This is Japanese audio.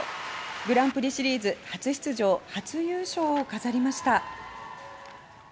グランプリシリーズ初出場初優勝を飾りました。